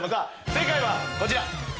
正解はこちら。